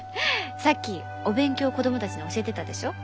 さっきお勉強子供たちに教えてたでしょ？